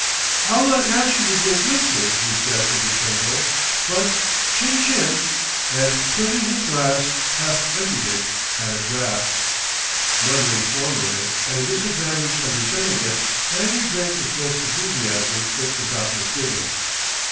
"I'll not ask you to drink with me," he said with a twinkle, "but chin chin!" and tilting his glass, half emptied it at a draught. Muttering formally, at a disadvantage and resenting it, Lanyard drank with less enthusiasm if without misgivings.